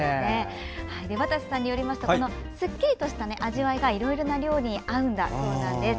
渡瀬さんによりますとすっきりとした味わいがいろいろな料理に合うということです。